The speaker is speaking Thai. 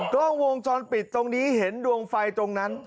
กล้องวงจรปิดตรงนี้เห็นดวงไฟตรงนั้น